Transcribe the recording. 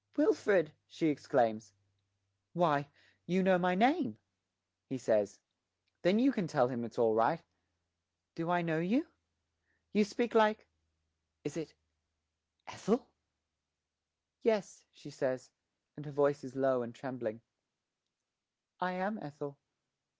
'Wilfred!' she exclaims. 'Why, you know my name!' he says. 'Then you can tell him it's all right. Do I know you? You speak like is it Ethel?' 'Yes,' she says, and her voice is low and trembling, 'I am Ethel.'